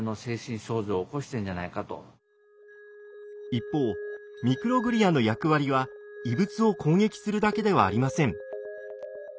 一方ミクログリアの役割は異物を攻撃するだけではありません。